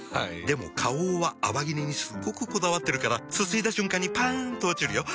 でも花王は泡切れにすっごくこだわってるからすすいだ瞬間にパン！と落ちるよ。